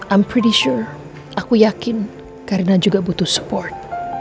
aku yakin karina juga butuh support